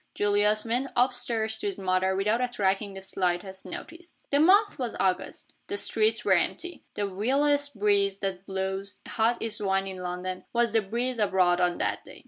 Julius went up stairs to his mother without attracting the slightest notice. The month was August. The streets were empty. The vilest breeze that blows a hot east wind in London was the breeze abroad on that day.